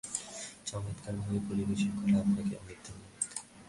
চমৎকারভাবে পরিবেশন করায় আপনাকে অনেক ধন্যবাদ।